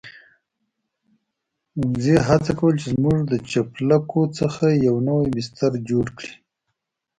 وزې هڅه کوله چې زموږ د چپلکو څخه يو نوی بستر جوړ کړي.